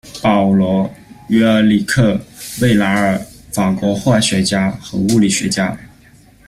保罗·于尔里克·维拉尔，法国化学家和物理学家。